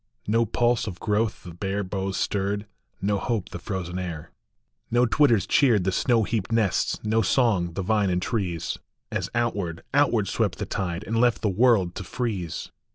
No pulse of growth the bare boughs stirred, no hope the frozen air ; No twitters cheered the snow heaped nests, no songs the vine and trees, As outward, outward swept the tide, and left the world to freeze.